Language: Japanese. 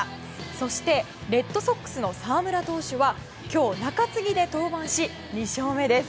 そしてレッドソックスの澤村投手は今日、中継ぎで登板し２勝目です。